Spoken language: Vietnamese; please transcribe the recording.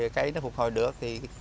cây nó phục hồi được